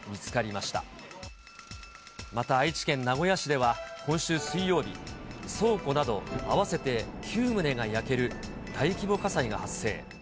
また愛知県名古屋市では今週水曜日、倉庫など合わせて９棟が焼ける大規模火災が発生。